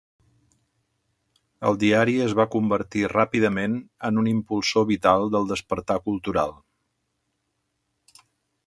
El diari es va convertir ràpidament en un impulsor vital del despertar cultural.